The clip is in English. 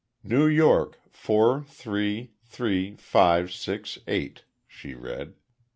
Y. four, three, three, five, six, eight," she read.